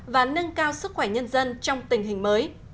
và nâng cao sức khỏe nhân dân trong tình hình mới